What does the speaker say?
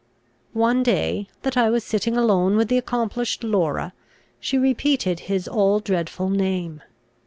One day, that I was sitting alone with the accomplished Laura, she repeated his all dreadful name.